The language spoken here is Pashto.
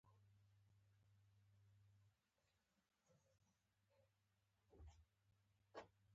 کشرانو باندې شفقت وکړئ